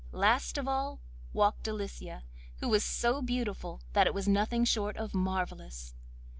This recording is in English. Last of all walked Delicia, who was so beautiful that it was nothing short of marvellous.